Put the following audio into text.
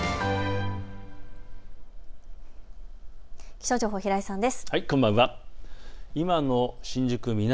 気象情報、平井さんです。